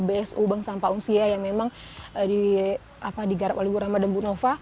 bsu bank sampah unsia yang memang digarap oleh bu rama dan bu nova